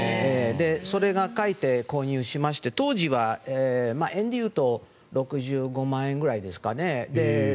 それを描いて購入しまして当時は円で言うと６５万円ぐらいですかね。